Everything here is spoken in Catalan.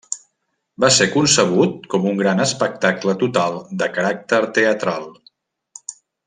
Va ser concebut com un gran espectacle total de caràcter teatral.